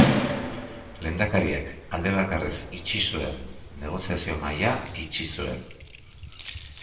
Lehendakariak aldebakarrez itxi zuen negoziazio mahaia itxi zuen.